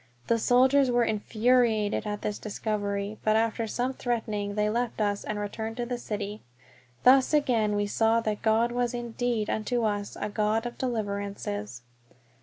The soldiers were infuriated at this discovery; but after some threatening they left us and returned to the city. Thus again we saw that God was indeed unto us a "God of deliverances."